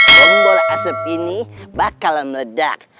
jembol asap ini bakal meledak